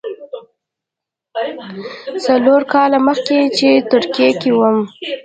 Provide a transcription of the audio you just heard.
څلور کاله مخکې چې ترکیه کې وم.